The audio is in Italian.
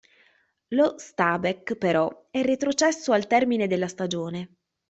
Lo Stabæk, però, è retrocesso al termine della stagione.